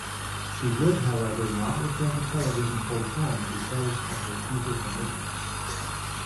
She would however not return to television full-time because of her theatre commitments.